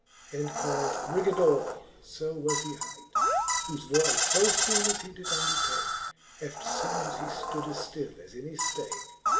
And called Brigadore (fb was he hight) Whofe voice fo fbone as he did undertake, ' Eftfbones he ftood as ftill as any flake.